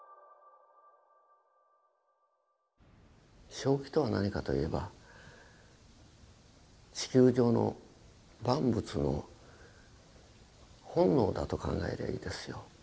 正気とは何かと言えば地球上の万物の本能だと考えりゃいいですよ。